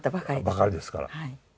ばかりですから。